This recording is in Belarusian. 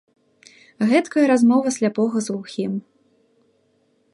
Гэткая размова сляпога з глухім.